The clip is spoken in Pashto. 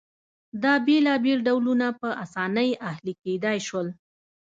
دا بېلابېل ډولونه په اسانۍ اهلي کېدای شول